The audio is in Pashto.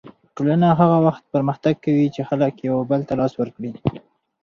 ټولنه هغه وخت پرمختګ کوي چې خلک یو بل ته لاس ورکړي.